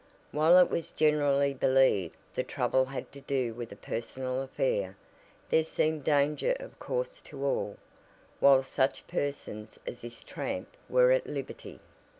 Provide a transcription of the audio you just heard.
While it was generally believed the trouble had to do with a personal affair, there seemed danger of course to all, while such persons as this "tramp" were at liberty.